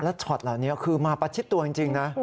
แล้วช็อตเหล่านี้คือมาประชิดตัวจริงนะ